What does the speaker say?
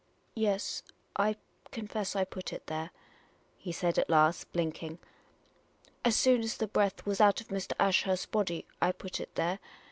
Yes, I confess I put it there," he said at last, blinking. " As soon as the breath was out of Mr. Ashurst's body I put it there."